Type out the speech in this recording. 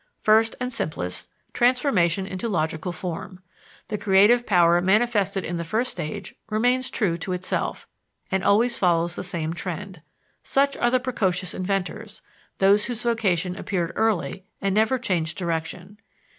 First, and simplest, transformation into logical form. The creative power manifested in the first stage remains true to itself, and always follows the same trend. Such are the precocious inventors, those whose vocation appeared early and never changed direction.